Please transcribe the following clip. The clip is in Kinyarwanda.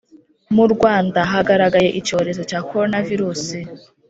Murwanda hagaragaye icyorezo cya corona virus